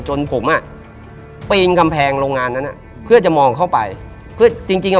จนผมอ่ะปีนกำแพงโรงงานนั้นอ่ะเพื่อจะมองเข้าไปเพื่อจริงจริงอ่ะ